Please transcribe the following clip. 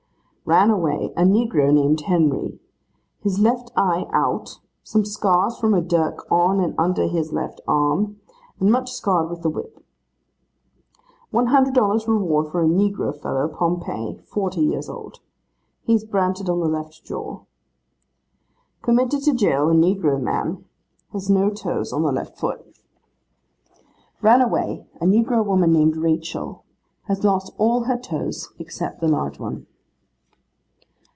'Ran away, a negro man named Henry; his left eye out, some scars from a dirk on and under his left arm, and much scarred with the whip.' 'One hundred dollars reward, for a negro fellow, Pompey, 40 years old. He is branded on the left jaw.' 'Committed to jail, a negro man. Has no toes on the left foot.' 'Ran away, a negro woman named Rachel. Has lost all her toes except the large one.